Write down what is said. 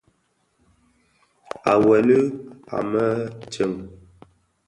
À weli më a ntseng.